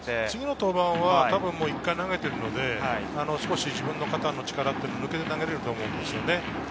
次の登板は１回投げているので、自分の肩の力を抜けて投げれると思うんですよね。